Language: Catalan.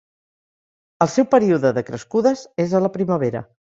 El seu període de crescudes és a la primavera.